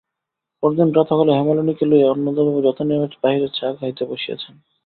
পরদিন প্রাতঃকালে হেমনলিনীকে লইয়া অন্নদাবাবু যথানিয়মে বাহিরে চা খাইতে বসিয়াছেন।